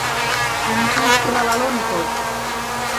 কিন্তু সেলাল-ও নিখোঁজ।